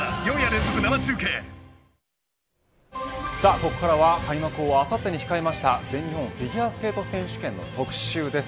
ここからは開幕をあさってに控えた全日本フィギュアスケート選手権の特集です。